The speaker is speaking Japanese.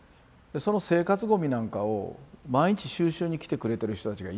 その生活ゴミなんかを毎日収集に来てくれてる人たちがいたわけでしょ。